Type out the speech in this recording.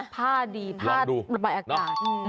ผ้าดีผ้าระบายอากาศ